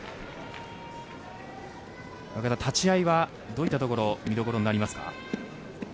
立ち合いはどういったところが見どころになりますか？